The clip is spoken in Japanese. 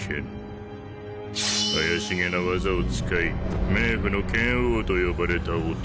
怪しげな技を使い冥府の剣王と呼ばれた男。